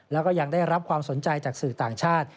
แล้วก็ยังได้รับความสนใจจากสื่อต่างชาติ